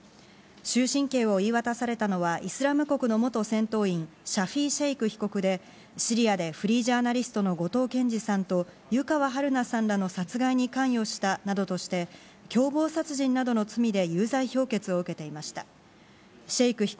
終身刑を言い渡されたのは、イスラム国の元戦闘員シャフィ・シェイク被告で、シリアでフリージャーナリストの後藤健二さんと湯川遥菜さんらの殺害に関与したなどとして、共謀殺人などの罪で有罪判決を受けていました。